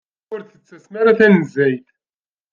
Ur d-tettasem ara tanezzayt.